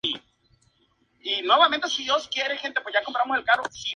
Como consecuencia huyó a Córdoba, donde falleció.